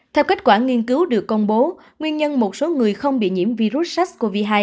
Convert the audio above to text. theo kết quả nghiên cứu được công bố nguyên nhân một số người không bị nhiễm virus sars cov hai